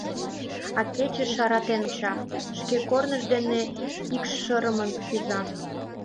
А кече шыратен онча, шке корныж дене икшырымын кӱза.